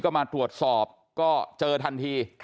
ก็มาตรวจสอบก็เจอทันที